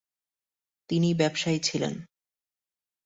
তিনি ব্যবসায়ী ছিলেন।